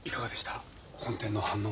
本店の反応は。